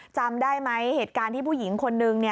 จำได้ไหมเหตุการณ์ที่ผู้หญิงคนนึง